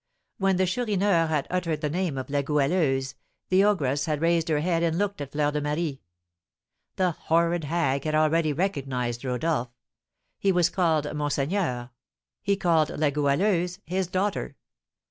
When the Chourineur had uttered the name of La Goualeuse, the ogress had raised her head and looked at Fleur de Marie. The horrid hag had already recognised Rodolph; he was called monseigneur he called La Goualeuse his daughter.